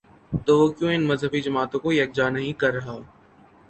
تو وہ کیوں ان مذہبی جماعتوں کو یک جا نہیں کر رہا؟